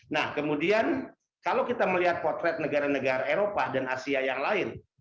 nah kemudian kalau kita melihat potret negara negara eropa dan asia yang lain